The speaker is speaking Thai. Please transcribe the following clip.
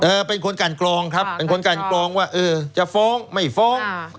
เป็นคนกันกรองครับเป็นคนกันกรองว่าเออจะฟ้องไม่ฟ้อง